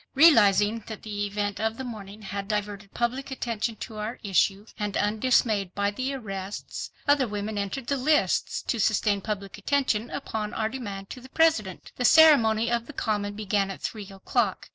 Realizing that the event of the morning had diverted public attention to our issue, and undismayed by the arrests, other women entered the lists to sustain public attention upon our demand to the President. The ceremony on the Common began at three o'clock.